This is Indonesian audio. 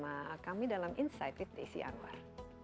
bersama kami dalam insight with desi anwar